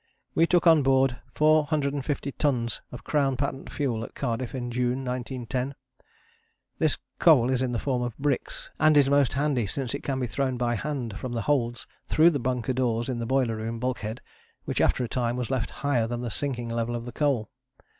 We took on board 450 tons of Crown Patent Fuel at Cardiff in June 1910. This coal is in the form of bricks, and is most handy since it can be thrown by hand from the holds through the bunker doors in the boiler room bulkhead which after a time was left higher than the sinking level of the coal.